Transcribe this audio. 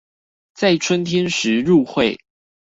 在春天時入會